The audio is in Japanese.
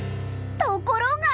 ところが！？